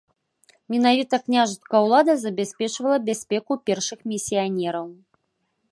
Менавіта княжацкая ўлада забяспечвала бяспеку першых місіянераў.